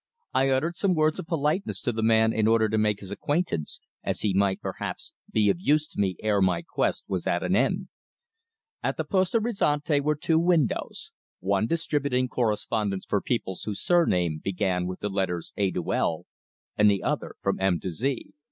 I uttered some words of politeness to the man in order to make his acquaintance, as he might, perhaps, be of use to me ere my quest was at an end. At the Poste Restante were two windows, one distributing correspondence for people whose surname began with the letters A to L, and the other from M to Z.